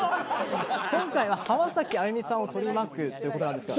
今回は浜崎あゆみさんを取り巻くということですが。